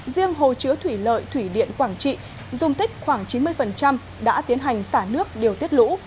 riêng hồ chứa thủy lợi thủy điện quảng trị dùng tích khoảng chín mươi đã tiến hành xả nước điều tiết lũ